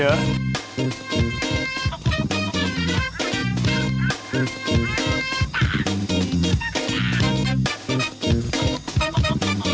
สองคนเลย